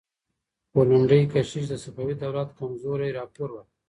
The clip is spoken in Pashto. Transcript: پولندي کشیش د صفوي دولت کمزورۍ راپور ورکړ.